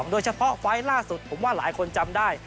โดยเฉพาะไฟล์ล่าสุดผมว่าหลายคนจำได้